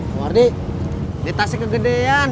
pak wardi ini tasnya kegedean